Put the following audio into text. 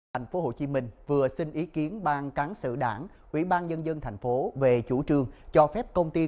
thành phố hồ chí minh vừa xin ý kiến bang cán sự đảng quỹ bang dân dân thành phố về chủ trương cho phép công ty